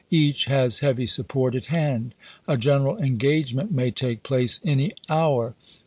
Each has heavy support at hand. A general engagement may take place any hour.